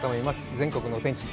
全国のお天気。